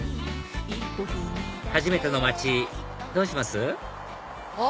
初めての街どうします？あっ！